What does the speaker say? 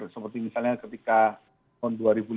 seperti misalnya ketika tahun dua ribu lima belas